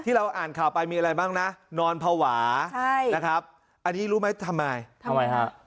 เราอ่านข่าวไปมีอะไรบ้างนะนอนภาวะใช่นะครับอันนี้รู้ไหมทำไมทำไมฮะ